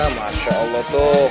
masya allah tuh